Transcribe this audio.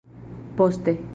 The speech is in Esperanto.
Poste.